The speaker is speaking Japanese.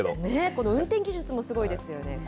この運転技術もすごいですよね。